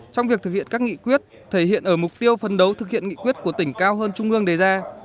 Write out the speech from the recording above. trong việc thực hiện các nghị quyết thể hiện ở mục tiêu phân đấu thực hiện nghị quyết của tỉnh cao hơn trung ương đề ra